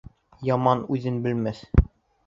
Яман үҙен белмәҫ